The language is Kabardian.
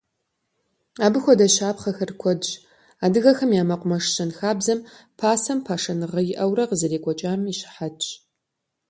Абы хуэдэ щапхъэхэр куэдщ, адыгэхэм и мэкъумэш щэнхабзэм пасэм пашэныгъэ иӀэурэ къызэрекӀуэкӀам и щыхьэтщ.